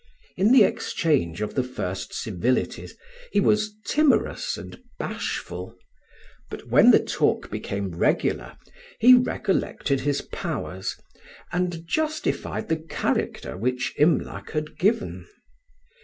In the exchange of the first civilities he was timorous and bashful; but when the talk became regular, he recollected his powers, and justified the character which Imlac had given.